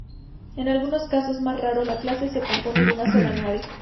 En algunos casos, más raros, la clase se compone de una sola nave.